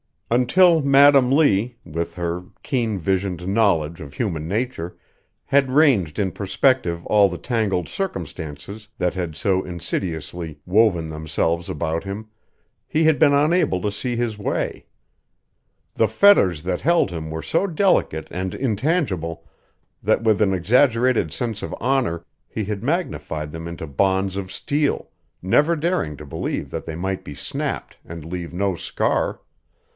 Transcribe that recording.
Until Madam Lee, with her keen visioned knowledge of human nature, had ranged in perspective all the tangled circumstances that had so insidiously woven themselves about him, he had been unable to see his way. The fetters that held him were so delicate and intangible that with an exaggerated sense of honor he had magnified them into bonds of steel, never daring to believe that they might be snapped and leave no scar.